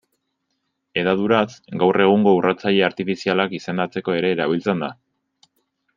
Hedaduraz, gaur egungo urratzaile artifizialak izendatzeko ere erabiltzen da.